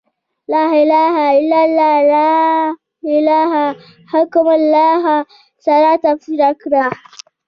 «لا اله الا الله» له «لا حاکم الا الله» سره تفسیر کړه.